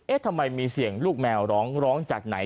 ทำไมมีเสียงลูกแมวร้องร้องจากไหน